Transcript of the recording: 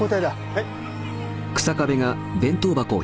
はい。